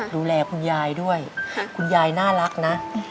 ดูแลคุณยายด้วยคุณยายน่ารักนะ